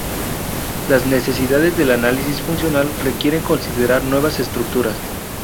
Las necesidades del análisis funcional requieren considerar nuevas estructuras.